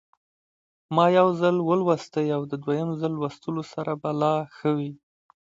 ما یو ځل ولوستی او د دویم ځل لوستلو سره به لا ښه وي.